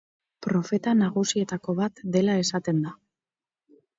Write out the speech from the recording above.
Profeta nagusietako bat dela esaten da.